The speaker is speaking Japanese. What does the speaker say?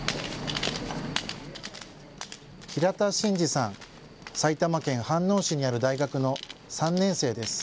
平田紳次さん、埼玉県飯能市にある大学の３年生です。